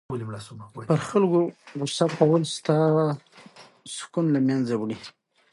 پر خلکو غصه کول ستا سکون له منځه وړي.